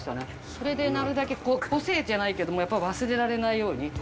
それでなるだけ個性じゃないけどもやっぱり忘れられないように。